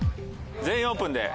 「全員オープン」で。